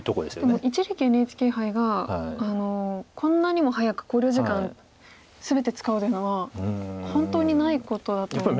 でも一力ＮＨＫ杯がこんなにも早く考慮時間全て使うというのは本当にないことだと思うんですよね。